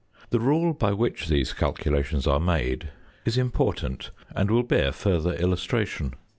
The rule by which these calculations are made is important and will bear further illustration.